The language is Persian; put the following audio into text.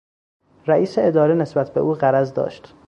رئیس اداره نسبت به او غرض داشت.